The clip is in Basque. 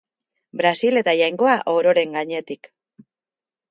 Brasil eta Jainkoa ororen gainetik.